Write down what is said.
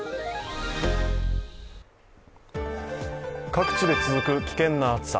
各地で続く危険な暑さ。